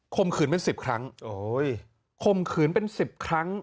คมขืนเป็น๑๐ครั้ง